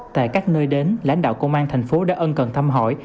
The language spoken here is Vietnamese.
tại các nơi đến lãnh đạo công an thành phố đã ân cần thăm hỏi